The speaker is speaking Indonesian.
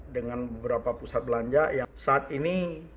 dengan beberapa pusat belanja yang saat ini